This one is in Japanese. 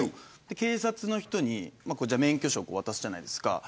警察の人に免許証、渡すじゃないですか。